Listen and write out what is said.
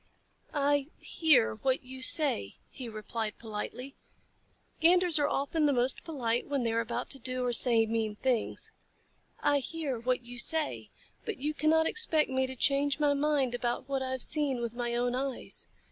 "I hear what you say," he replied politely (Ganders are often the most polite when they are about to do or say mean things). "I hear what you say, but you cannot expect me to change my mind about what I have seen with my own eyes.